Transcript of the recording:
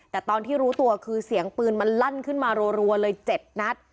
แต่ตอนที่รู้ตัวคือเสียงปืนมันลั่นขึ้นมารัวเลย๗นัด